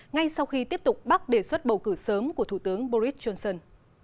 ngay sau khi tiếp tục bác đề xuất bầu cử sớm của thủ tướng boris johnson